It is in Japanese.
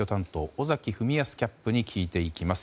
尾崎文康キャップに聞いていきます。